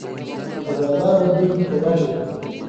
د بازار بدلون مې په ګټه دی.